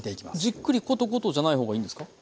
じっくりコトコトじゃない方がいいんですか？